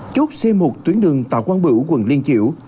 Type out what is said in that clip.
chốt c một tuyến đường tà quang bửu quận liên triệu